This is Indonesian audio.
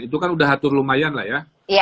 itu kan udah atur lumayan lah ya